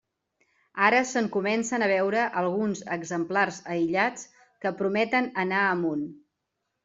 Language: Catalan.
Ara se'n comencen a veure alguns exemplars aïllats que prometen anar amunt.